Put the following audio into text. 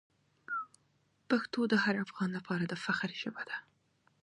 پښتو د هر افغان لپاره د فخر ژبه ده.